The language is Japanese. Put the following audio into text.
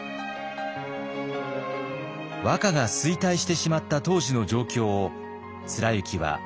和歌が衰退してしまった当時の状況を貫之はこう綴っています。